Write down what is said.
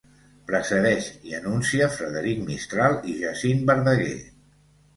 Precedeix i anuncia Frederic Mistral i Jacint Verdaguer.